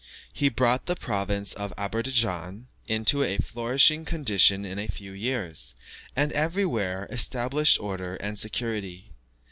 He brought the province of Aderbeidschan into a flourishing condition in a few years, and everywhere established order and security.